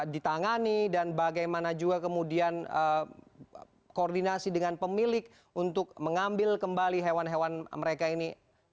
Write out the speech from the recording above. ditangani dan bagaimana juga kemudian koordinasi dengan pemilik untuk mengambil kembali hewan hewan mereka ini